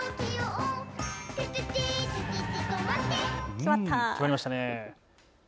決まりましたね。